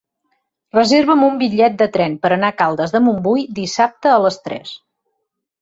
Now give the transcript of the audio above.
Reserva'm un bitllet de tren per anar a Caldes de Montbui dissabte a les tres.